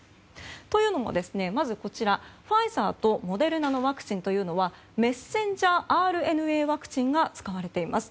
というのもまず、ファイザーとモデルナのワクチンというのはメッセンジャーＲＮＡワクチンが使われています。